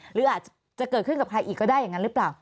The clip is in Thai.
หรืออาจจะเกิดขึ้นกับใครอีกก็ได้อย่างนั้นหรือเปล่า